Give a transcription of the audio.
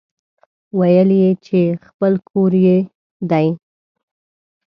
ويل يې چې خپل کور يې دی.